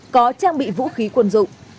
có trang bị vũ khí quân dụng